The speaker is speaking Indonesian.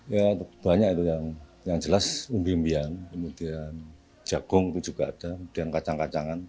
dan lapar ya banyak itu yang yang jelas mimpian kemudian jagung juga ada dan kacang kacangan